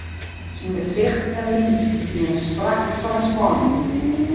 Syn gesicht en liif wiene strak fan 'e spanning.